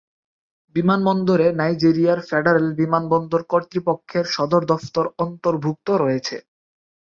বিমানবন্দরে নাইজেরিয়ার ফেডারেল বিমানবন্দর কর্তৃপক্ষের সদর দফতর অন্তর্ভুক্ত রয়েছে।